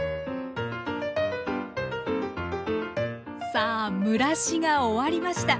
さあ蒸らしが終わりました。